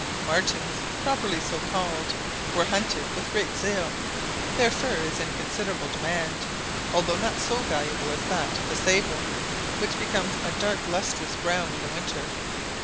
Martens, properly so called, were hunted with great zeal. Their fur is in considerable demand, although not so valuable as that of the sable, which becomes a dark lustrous brown in the winter.